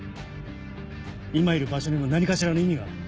今いる場所にも何かしらの意味がある。